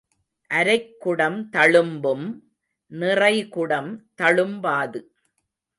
அரைக்குடம் தளும்பும் நிறைகுடம் தளும்பாது.